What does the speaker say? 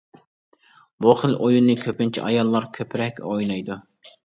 بۇ خىل ئويۇننى كۆپىنچە ئاياللار كۆپرەك ئوينايدۇ.